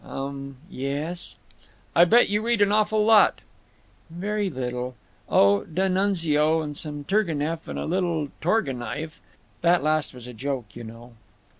"Um. Yes." "I bet you read an awful lot." "Very little. Oh—D'Annunzio and some Turgenev and a little Tourgenieff…. That last was a joke, you know."